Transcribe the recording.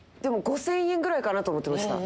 ５０００円ぐらいと思ってました。